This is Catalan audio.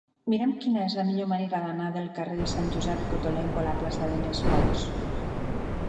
Mira'm quina és la millor manera d'anar del carrer de Sant Josep Cottolengo a la plaça de les Fonts.